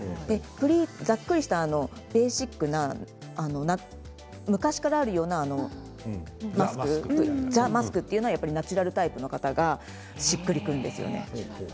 ざっくりしたベーシックな昔からあるようなマスクザ・マスクというのはナチュラルタイプの方がしっくりくるんです。